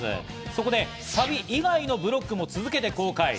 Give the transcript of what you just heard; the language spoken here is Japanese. そこでサビ以外のブロックも続けて公開。